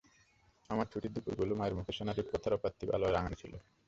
আমার ছুটির দুপুরগুলো মায়ের মুখে শোনা রূপকথার অপার্থিব আলোয় রাঙানো ছিল।